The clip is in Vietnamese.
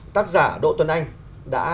tác giả đỗ tuấn anh đã